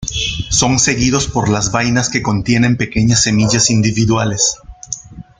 Son seguidos por las vainas que contienen pequeñas semillas individuales.